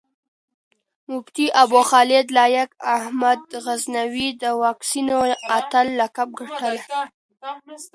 مفتي ابوخالد لائق احمد غزنوي د واکسينو د اتَل لقب ګټلی